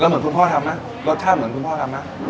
เหมือนคุณพ่อทำไหมรสชาติเหมือนคุณพ่อทำไหม